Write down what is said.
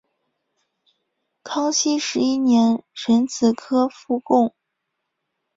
康熙十一年壬子科副贡。